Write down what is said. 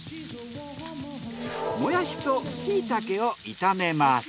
もやしとしいたけを炒めます。